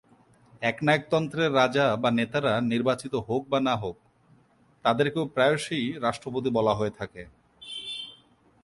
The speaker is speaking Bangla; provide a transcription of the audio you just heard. একনায়ক তন্ত্রের রাজা বা নেতারা নির্বাচিত হোক বা না হোক, তাদেরকেও প্রায়শই রাষ্ট্রপতি বলা হয়ে থাকে।